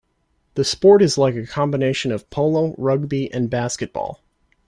The sport is like a combination of polo, rugby, and basketball.